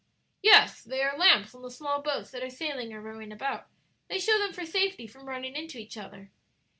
"Yes; they are lamps on the small boats that are sailing or rowing about; they show them for safety from running into each other."